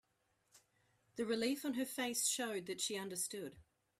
The relief on her face showed that she understood.